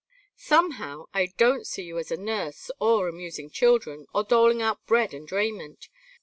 "Somehow I don't see you as a nurse, or amusing children, or doling out bread and raiment.